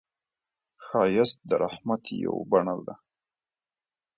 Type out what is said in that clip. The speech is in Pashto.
ښایست د رحمت یو بڼه ده